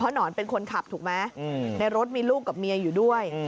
หนอนเป็นคนขับถูกไหมในรถมีลูกกับเมียอยู่ด้วย